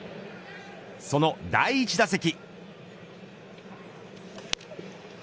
その第１打席。